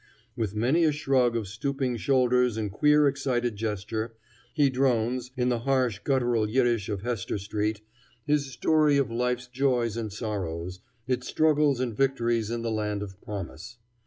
With many a shrug of stooping shoulders and queer excited gesture, he drones, in the harsh, guttural Yiddish of Hester street, his story of life's joys and sorrows, its struggles and victories in the land of promise.